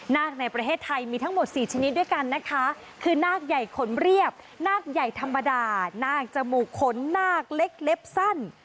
นาคในประเทศไทยมีทั้งหมด๔ชนิดด้วยกันนะคะคือนาคใหญ่ขนเรียบนาคใหญ่ธรรมดานาคจมูกขนนาคเล็กเล็บสั้น